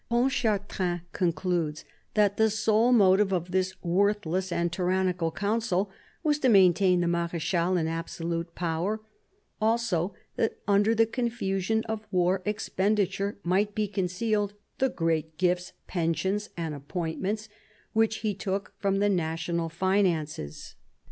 88 THE BISHOP OF LUQON 89 Pontchartrain concludes that the sole motive of this worthless and tyrannical council was to maintain the Mar^chal in absolute power : also that under the confusion of war expenditure might be concealed the " great gifts, pensions and appointments " which he took from the national finances.